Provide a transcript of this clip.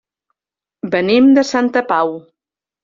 Venim de Santa Pau.